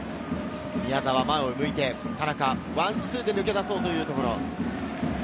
宮澤、前を向いて田中、ワンツーで抜け出そうというところ。